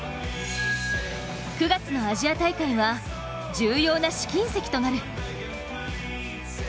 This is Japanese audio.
９月のアジア大会は重要な試金石となる。